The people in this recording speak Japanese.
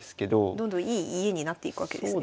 どんどんいい家になっていくわけですね。